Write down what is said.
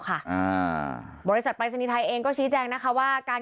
อ่าบริษัทปรายศนีย์ไทยเองก็ชี้แจงนะคะว่าการ